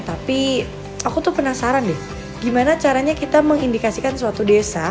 tapi aku tuh penasaran deh gimana caranya kita mengindikasikan suatu desa